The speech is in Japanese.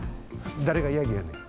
だれがヤギやねん！